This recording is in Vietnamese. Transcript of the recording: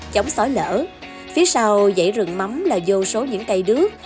chống sói lỡ phía sau dãy rừng mắm là vô số những cây đước